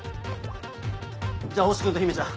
じゃあ星君と姫ちゃん